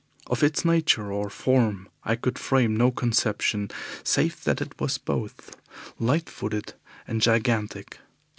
Of its nature or form I could frame no conception, save that it was both light footed and gigantic.